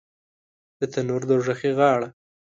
د تنور دوږخي غاړه